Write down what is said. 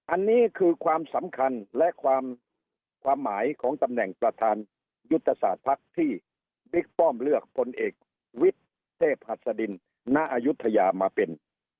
อันนี้คือความสำคัญและความหมายของตำแหน่งประธานยุทธศาสตร์ภักดิ์ที่บิ๊กป้อมเลือกพลเอกวิทย์เทพหัสดินณอายุทยามาเป็น